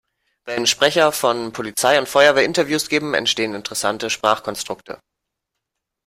Wenn Sprecher von Polizei und Feuerwehr Interviews geben, entstehen interessante Sprachkonstrukte.